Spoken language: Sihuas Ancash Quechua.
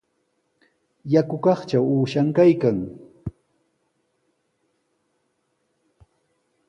Yakukaqtraw uushan kaykan.